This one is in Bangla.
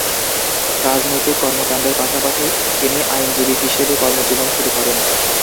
রাজনৈতিক কর্মকান্ডের পাশাপাশি তিনি আইনজীবী হিসেবে কর্মজীবন শুরু করেন।